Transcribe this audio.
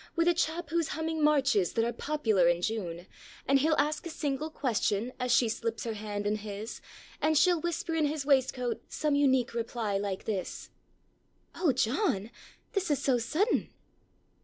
With a chap whoŌĆÖs humming marches that are popular in June, And he'll ask a single question as she slips her hand in his, o n TWIXT LOVE AND DUTY. And sheŌĆÖll whisper in his waistcoat some unique reply like this: ŌĆØOh, John, this is so sudden!